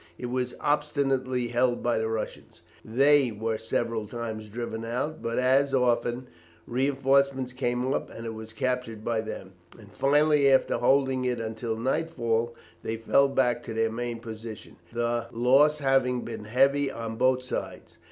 It was obstinately held by the Russians. They were several times driven out, but, as often, reinforcements came up, and it was captured by them; and finally, after holding it until nightfall, they fell back to their main position, the loss having been heavy on both sides.